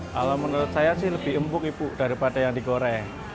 kalau menurut saya sih lebih empuk ibu daripada yang digoreng